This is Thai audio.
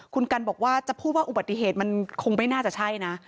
คุณกันบอกว่าจะพูดว่าอุบัติเหตุมันคงไม่น่าจะใช่นะ